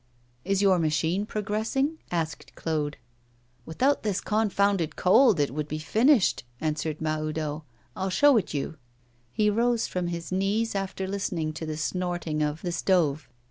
'Is your machine progressing?' asked Claude. 'Without this confounded cold, it would be finished,' answered Mahoudeau. 'I'll show it you.' He rose from his knees after listening to the snorting of the stove.